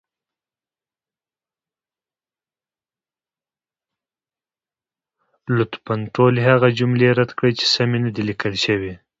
لطفا ټولې هغه جملې رد کړئ، چې سمې نه دي لیکل شوې.